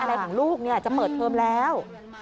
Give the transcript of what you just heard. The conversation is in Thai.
อะไรของลูกจะเปิดเทอมแล้ว